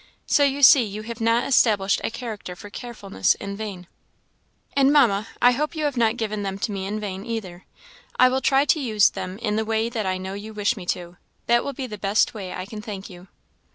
So you see you have not established a character for carefulness in vain." "And, Mamma, I hope you have not given them to me in vain, either. I will try to use them in the way that I know you wish me to; that will be the best way I can thank you."